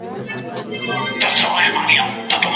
درد مي درته وسپړم څوک خو به څه نه وايي